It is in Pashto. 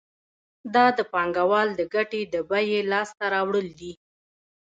دا د پانګوال د ګټې د بیې لاس ته راوړل دي